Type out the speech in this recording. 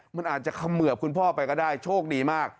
มันอาจจะเขมือบคุณพ่อไปก็ได้โชคดีมาก